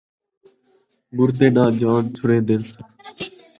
مردے ، ناں جان چھوڑین٘دے